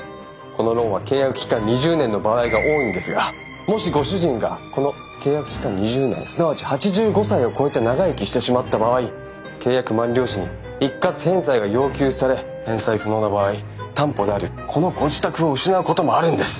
このローンは契約期間２０年の場合が多いんですがもしご主人がこの契約期間２０年すなわち８５歳を超えて長生きしてしまった場合契約満了時に一括返済が要求され返済不能な場合担保であるこのご自宅を失うこともあるんです。